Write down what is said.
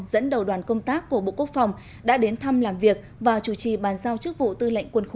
dẫn đầu đoàn công tác của bộ quốc phòng đã đến thăm làm việc và chủ trì bàn giao chức vụ tư lệnh quân khu năm